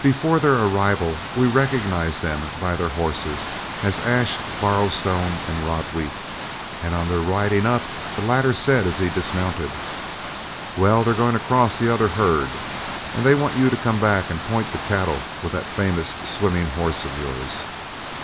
Before their arrival we recognized them by their horses as Ash Borrowstone and Rod Wheat, and on their riding up the latter said as he dismounted, "Well, they're going to cross the other herd, and they want you to come back and point the cattle with that famous swimming horse of yours.